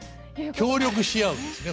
協力し合うんですね